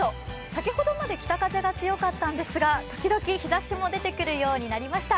先ほどまで北風が強かったんですがときどき日ざしも出てくるようになりました。